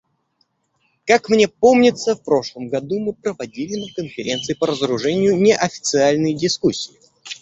Как мне помнится, в прошлом году мы проводили на Конференции по разоружению неофициальные дискуссии.